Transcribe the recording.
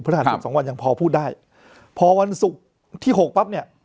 หัสศุกร์สองวันยังพอพูดได้พอวันศุกร์ที่หกปั๊บเนี่ย